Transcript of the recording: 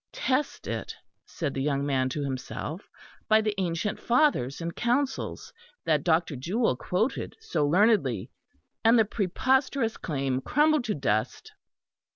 Test it, said the young man to himself, by the ancient Fathers and Councils that Dr. Jewel quoted so learnedly, and the preposterous claim crumbled to dust.